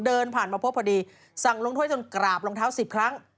เดินผ่านมาพบพอดีสั่งลงถ้วยจนกราบรองเท้า๑๐ครั้ง